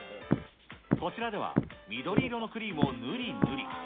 こちらでは、緑色のクリームを塗り塗り。